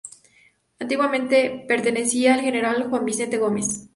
Antiguamente pertenecía al General Juan Vicente Gómez.